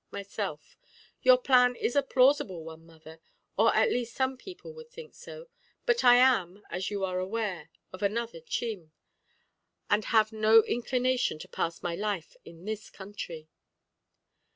Myself Your plan is a plausible one, mother, or at least some people would think so; but I am, as you are aware, of another chim, and have no inclination to pass my life in this country.